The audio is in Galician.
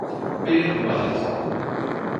Pérez Buades.